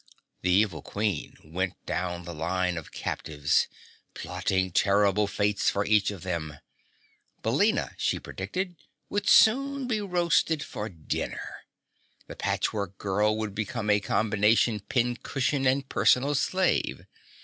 The evil Queen went down the line of captives, plotting terrible fates for each of them. Billina, she predicted, would soon be roasted for dinner. The Patchwork Girl would become a combination pin cushion and personal slave.